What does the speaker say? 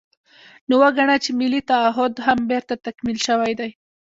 نو وګڼه چې ملي تعهُد هم بېرته تکمیل شوی دی.